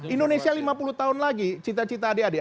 indonesia lima puluh tahun lagi cita cita adik adik